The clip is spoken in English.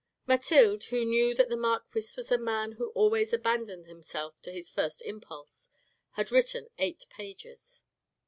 ..." Mathilde, who knew that the marquis was a man who always abandoned himself to his first impulse, had written eight pages.